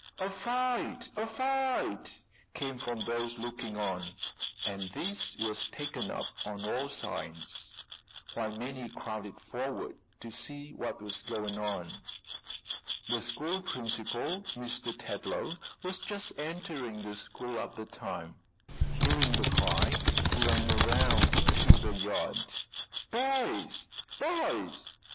"A fight! A fight!" came from those looking on, and this was taken up on all sides, while many crowded forward to see what was going on. The school principal, Mr. Tetlow, was just entering the school at the time. Hearing the cry he ran around into the yard. "Boys! boys!